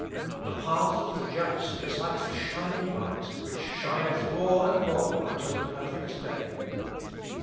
"The path of the just is like the shining light, which shineth more and more unto the perfect day."